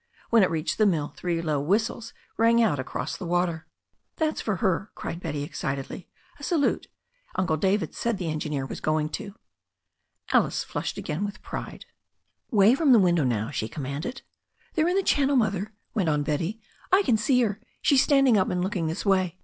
When it reached the mill, three low whistles rang out across the water. "That's for her," cried Betty excitedly. "A salute. Uncle David said the engineer was going to." Alice flushed again with pride. "] 4r 2S0 THE STORY OF A NEW ZEALAND RIVER "Wave from the front window now," she commanded "They're in the channel, Mother/' went on Betty. "I can see her. She is standing up and looking this way.